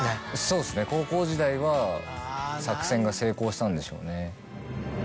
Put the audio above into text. そうですね高校時代は作戦が成功したんでしょうね。